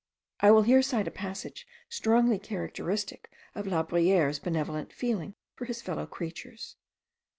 I will here cite a passage strongly characteristic of La Bruyere's benevolent feeling for his fellow creatures.